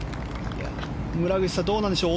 村口さんどうなんでしょう。